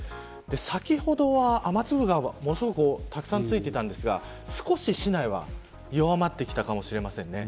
先ほどは、雨粒がたくさんついていたんですが少し市内は弱まってきたかもしれません。